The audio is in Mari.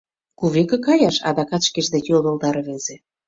— Кувеке каяш? — адакат шкеж деч йодылда рвезе.